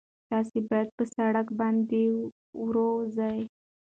تاسي باید په سړک باندې په ورو ځئ.